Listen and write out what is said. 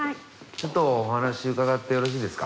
ちょっとお話伺ってよろしいですか？